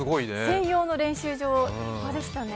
専用の練習場、立派でしたね。